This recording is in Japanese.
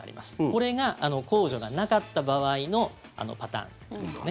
これが控除がなかった場合のパターンですよね。